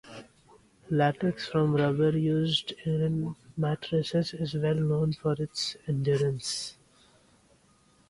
Latex foam rubber, used in mattresses, is well known for its endurance.